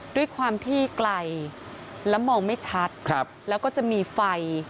ด้วยความที่ไกลและมองไม่ชัดแล้วก็จะมีไฟ